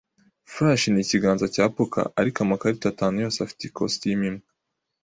Flush ni ikiganza cya poker aho amakarita atanu yose afite ikositimu imwe.